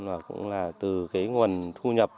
và cũng là từ cái nguồn thu nhập